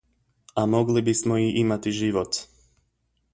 A mogli bismo i imati život.